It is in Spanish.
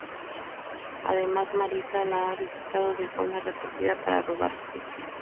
Además Marisa la ha visitado de forma repetida para robar objetos.